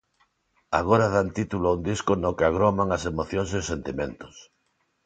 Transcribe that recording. Agora dan título a un disco no que agroman as emocións e os sentimentos.